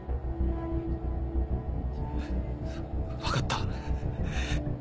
分かった。